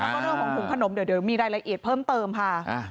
แล้วก็เรื่องของถุงขนมเดี๋ยวมีรายละเอียดเพิ่มเติมค่ะ